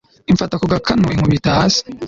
imfata ku gakanu, inkubita hasi